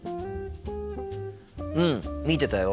うん見てたよ。